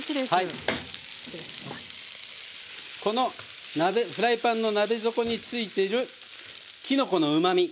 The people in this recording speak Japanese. このフライパンの鍋底についてるきのこのうまみ